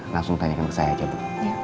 langsung tanyakan ke saya aja bu